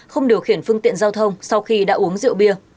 không điều khiển phương tiện giao thông sau khi đã uống rượu bia